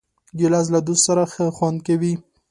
ګیلاس له دوست سره ښه خوند کوي.